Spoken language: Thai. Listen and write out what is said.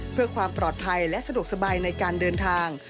เพื่อความปลอดภัยและสะดวกสบายในการเดินทาง